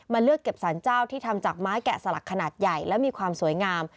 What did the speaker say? เลือกเก็บสารเจ้าที่ทำจากไม้แกะสลักขนาดใหญ่และมีความสวยงาม